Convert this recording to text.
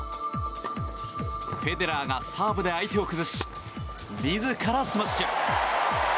フェデラーがサーブで相手を崩し自らスマッシュ！